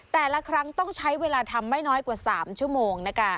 แต่ละครั้งต้องใช้เวลาทำไม่น้อยกว่า๓ชั่วโมงนะคะ